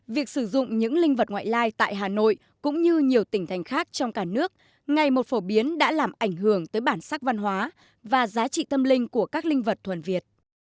việc sử dụng những linh vật ngoại lai tại hà nội cũng như nhiều tỉnh thành khác trong cả nước ngày một phổ biến đã làm ảnh hưởng tới bản sắc văn hóa và giá trị tâm linh của các linh vật thuần việt